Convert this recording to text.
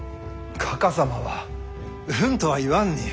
かか様は「うん」とは言わんに。